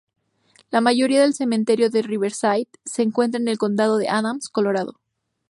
La mayoría del cementerio de Riverside se encuentra en el condado de Adams, Colorado.